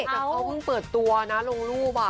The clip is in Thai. แต่เขาเพิ่งเปิดตัวนะลงรูป